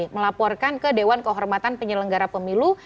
melaporkan ke dewan kehormatan penyelenggara pemilu